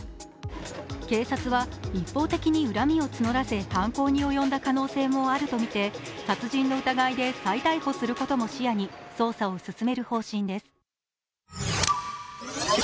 警察は一方的に恨みを募らせ犯行に及んだ可能性もあるとみて、殺人の疑いで再逮捕することも視野に、捜査を進める方針です。